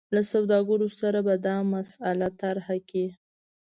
له سوداګرو سره به دا مسله طرحه کړي.